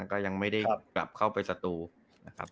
ก็ยังไม่ได้กลับเข้าไปสตูนะครับ